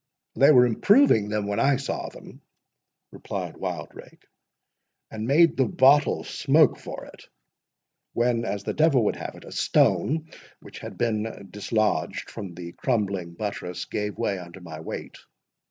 "They were improving them when I saw them," replied Wildrake, "and made the bottle smoke for it—when, as the devil would have it, a stone, which had been dislodged from the crumbling buttress, gave way under my weight.